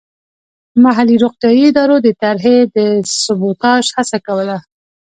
محلي روغتیايي ادارو د طرحې د سبوتاژ هڅه کوله.